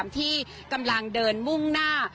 ที่กำลังเดินมุ่งหน้า